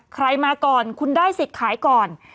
ใครมาก่อนคุณได้สิทธิ์ขายก่อน